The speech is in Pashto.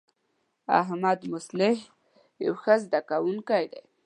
احمدمصلح یو ښه زده کوونکی دی.